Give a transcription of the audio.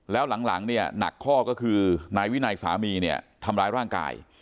แล้วหลังเนี่ยหนักข้อก็คือนายวินัยสามีเนี่ยทำร้ายร่างกาย